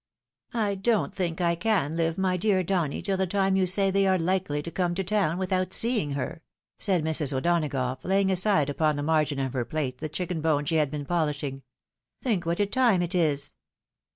" I don't think I can live, my dear Donny, till the time you say they are likely to come to town, without seeing her !" said Mrs. O'Donagough, laying aside upon the margin of her plate the chicken bone she had been polishing. " Think what a time it is